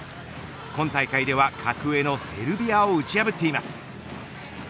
今大会では格上のセルビアを打ち破っています。